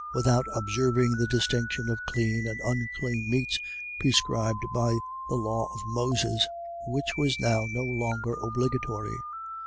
without observing the distinction of clean and unclean meats, prescribed by the law of Moses: which was now no longer obligatory.